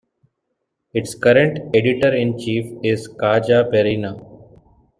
Its current editor-in-chief is Kaja Perina.